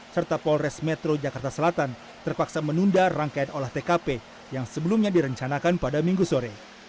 serta polres metro jakarta selatan terpaksa menunda rangkaian olah tkp yang sebelumnya direncanakan pada minggu sore